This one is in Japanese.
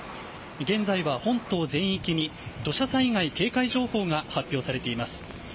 現在は本島全域に土砂災害警戒情報が発表されています。